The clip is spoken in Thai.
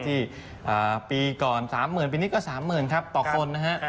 ที่ปีก่อน๓๐๐๐๐บาทปีนี้ก็๓๐๐๐๐บาทต่อคนนะครับ